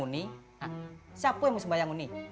uni siapa yang mau sembahyang